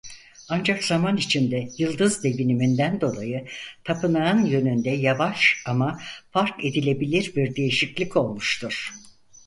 Ancak zaman içinde yıldız deviniminden dolayı tapınağın yönünde yavaş ama fark edilebilir bir değişiklik olmuştur.